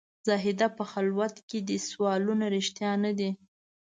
زاهده په خلوت کې دي سوالونه رښتیا نه دي.